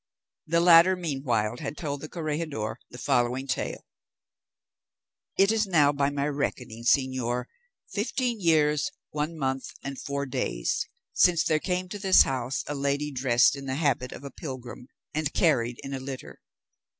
The latter meanwhile had told the corregidor the following tale:— "It is now, by my reckoning, señor, fifteen years, one month, and four days, since there came to this house a lady dressed in the habit of a pilgrim, and carried in a litter.